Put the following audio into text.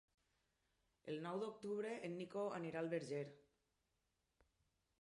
El nou d'octubre en Nico anirà al Verger.